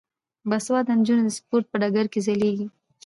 باسواده نجونې د سپورت په ډګر کې ځلیږي.